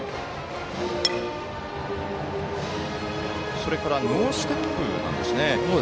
それからノーステップなんですね。